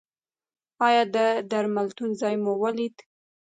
ایا د درملتون ځای مو ولید؟